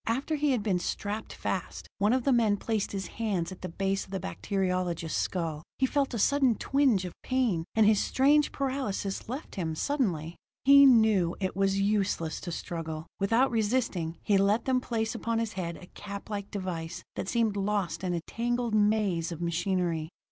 After he had been strapped fast, one of the men placed his hands at the base of the bacteriologist's skull; he felt a sudden twinge of pain; and his strange paralysis left him suddenly. He knew it was useless to struggle; without resisting, he let them place upon his head a cap like device that seemed lost in a tangled maze of machinery.